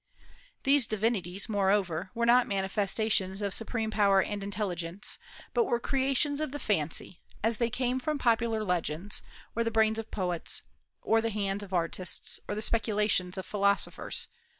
These divinities, moreover, were not manifestations of supreme power and intelligence, but were creations of the fancy, as they came from popular legends, or the brains of poets, or the hands of artists, or the speculations of philosophers.